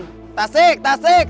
tasik tasik tasik